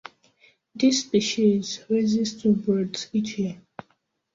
This species raises two broods each year.